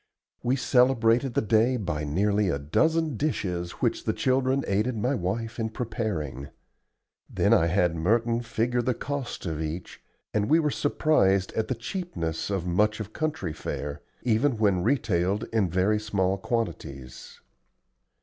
We celebrated the day by nearly a dozen dishes which the children aided my wife in preparing. Then I had Merton figure the cost of each, and we were surprised at the cheapness of much of country fare, even when retailed in very small quantities.